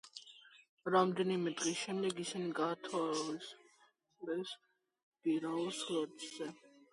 რამდენიმე დღის შემდეგ ისინი გაათავისუფლეს გირაოს ხარჯზე.